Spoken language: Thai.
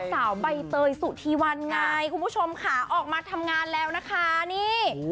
สาวใบเตยสุธีวันไงคุณผู้ชมค่ะออกมาทำงานแล้วนะคะนี่